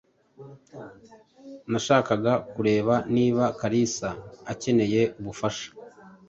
Nashakaga kureba niba Kalisa akeneye ubufasha.